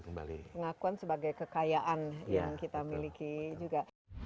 pengakuan sebagai kekayaan yang kita miliki juga